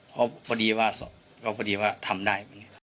เพราะพอดีว่าทำได้